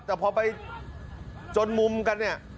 แต่พอไปจนมุมกันเนี่ย